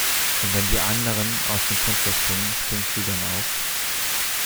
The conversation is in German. Und wenn die anderen aus dem Fenster springen, springst du dann auch?